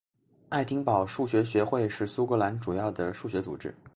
爱丁堡数学学会是苏格兰主要的数学组织。